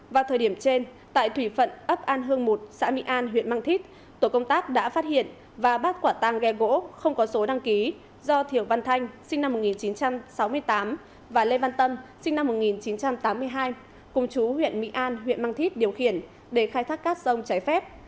vào thời điểm trên tại thủy phận ấp an hưng một xã mỹ an huyện mang thít tổ công tác đã phát hiện và bắt quả tăng ghe gỗ không có số đăng ký do thiều văn thanh sinh năm một nghìn chín trăm sáu mươi tám và lê văn tâm sinh năm một nghìn chín trăm tám mươi hai cùng chú huyện mỹ an huyện mang thít điều khiển để khai thác cát sông trái phép